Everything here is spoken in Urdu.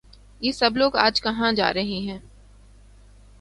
یہ سب لوگ آج کہاں ہیں؟